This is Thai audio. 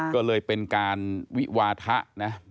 ก็เลยเป็นการวิวาทะนะ